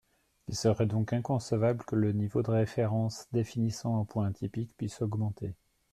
Il serait donc inconcevable que le niveau de référence définissant un point atypique puisse augmenter.